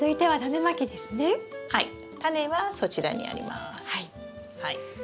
はい。